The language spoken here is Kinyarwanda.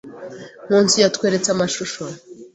Nkusi yatweretse amashusho.